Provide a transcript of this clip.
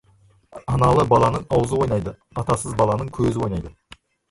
Аналы баланың аузы ойнайды, атасыз баланың көзі ойнайды.